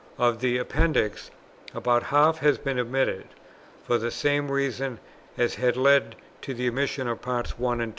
Of the Appendix, about half has been omitted, for the same reason as has led to the omission of Parts 1 and 2.